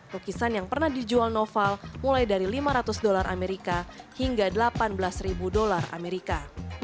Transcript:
lukisan yang pernah dijual noval mulai dari lima ratus dolar amerika hingga delapan belas ribu dolar amerika